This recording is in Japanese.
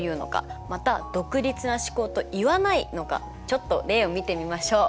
また「独立な試行」と言わないのかちょっと例を見てみましょう。